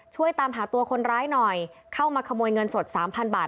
ช่วยตามหาตัวคนร้ายหน่อยเข้ามาขโมยเงินสดสามพันบาท